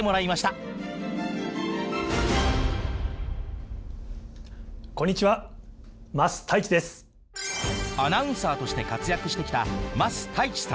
アナウンサーとして活躍してきた桝太一さん。